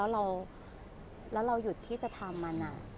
แล้วเราหยุดที่จะทำมานาน